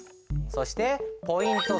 そしてポイント